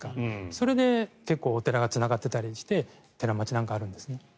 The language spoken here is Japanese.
それで結構お寺がつながってたりして寺墓地なんかがあるんです。